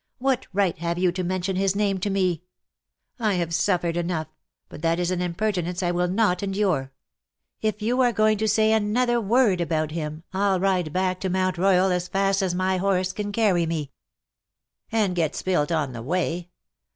What right have you to mention his name to me ? I have suffered enough, but that is an impertinence I will not endure. If you are going to say another word about him I'll ride back to Mount Boyal as fast as my horse can carry me." " LOVE WILL HAVE HIS DAY." 81 '^And get spilt on the way.